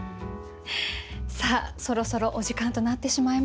さあそろそろお時間となってしまいました。